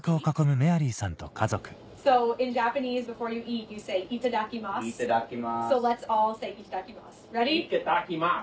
「いただきます」！